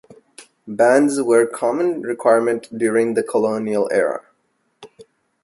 Banns were common requirement during the colonial era.